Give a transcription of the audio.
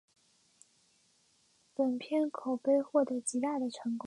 本片口碑获得极大的成功。